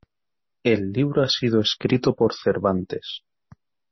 El libro ha sido escrito por Cervantes.